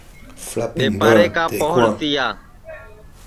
ٻیپارے کا پوہر تِیا